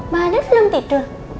bandit belum tidur